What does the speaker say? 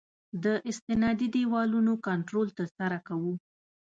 د استنادي دیوال کنټرول ترسره کوو